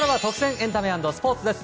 エンタメ＆スポーツです。